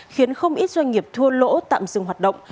khiến không ít doanh nghiệp thua lỗ tạm dừng hoạt động